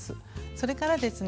それからですね